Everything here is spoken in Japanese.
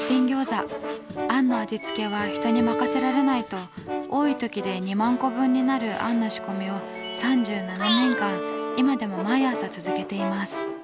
あんの味付けは人に任せられないと多い時で２万個分になるあんの仕込みを３７年間今でも毎朝続けています。